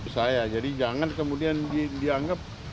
saya jadi jangan kemudian dianggap